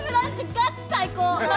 ガチ最高！